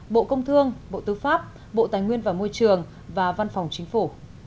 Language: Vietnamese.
bộ công thương bộ tư pháp bộ tài nguyên và môi trường và văn phòng chính phủ